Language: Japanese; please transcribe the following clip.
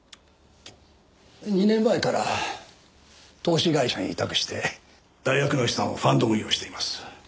２年前から投資会社に委託して大学の資産をファンド運用しています。